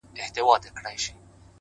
د زړه سکون له روښانه وجدان راځي’